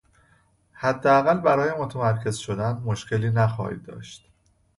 حداقل برای متمرکز شدن مشکلی نخواهید داشت.